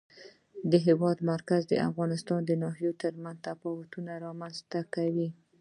د هېواد مرکز د افغانستان د ناحیو ترمنځ تفاوتونه رامنځ ته کوي.